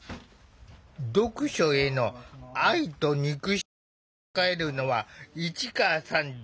読書への愛と憎しみを抱えるのは市川さんだけじゃない。